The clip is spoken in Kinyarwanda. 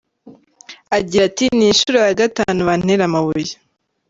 Agira ati "Ni inshuro ya gatanu bantera amabuye.